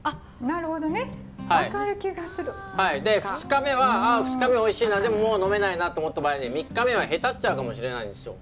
で２日目はあ２日目おいしいなでももう呑めないなと思った場合には３日目はヘタっちゃうかもしれないんですよ。